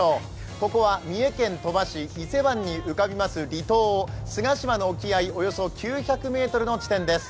ここは三重県鳥羽市、伊勢湾に浮かびます離島菅島の沖合およそ９００ｍの地点です。